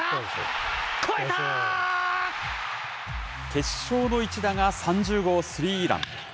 決勝の一打が３０号スリーラン。